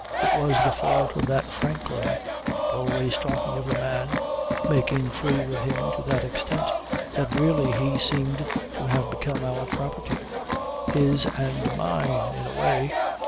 It was the fault of that Franklin, always talking of the man, making free with him to that extent that really he seemed to have become our property, his and mine, in a way.